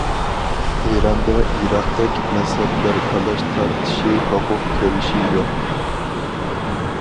ئىراندا ئىراقتەك مەزھەپلەر تالاش تارتىشى ھوقۇق كۈرىشى يوق.